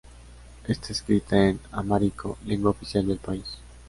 Está escrita en amárico, lengua oficial del país.